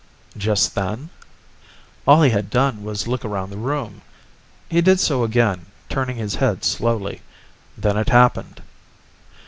"Just then?" All he had done was look around the room. He did so again, turning his head slowly. Then it happened.